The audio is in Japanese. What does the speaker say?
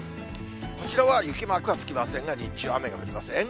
こちらは雪マークはつきませんが、日中雨が降ります。